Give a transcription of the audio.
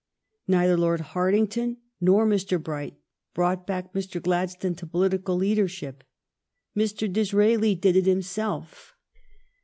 Neither Lord Hartington nor Mr. Bright brought back Mr. Gladstone to political leadership. Mr. Disraeli did it him self.